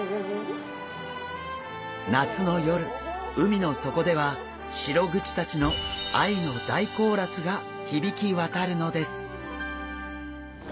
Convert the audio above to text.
夏の夜海の底ではシログチたちの愛の大コーラスが響き渡るのです。